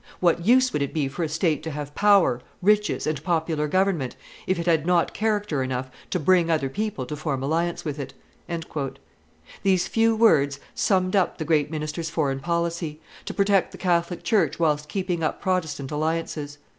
What use would it be for a state to have power, riches, and popular government, if it had not character enough to bring other people to form alliance with it?" These few words summed up the great minister's foreign policy, to protect the Catholic church whilst keeping up Protestant alliances.